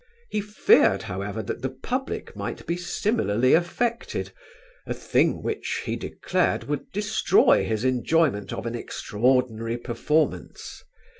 He feared, however, that the public might be similarly affected a thing which, he declared, would destroy his enjoyment of an extraordinary performance."